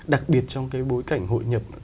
đặc biệt trong cái bối cảnh hội nhập